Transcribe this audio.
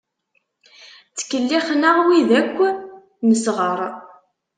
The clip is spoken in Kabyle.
Ttkellixen-aɣ wid-ak nesɣeṛ.